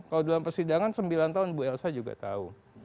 kalau dalam persidangan sembilan tahun bu elsa juga tahu